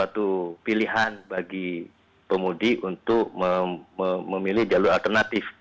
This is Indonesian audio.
dan memiliki pilihan bagi pemudi untuk memilih jalur alternatif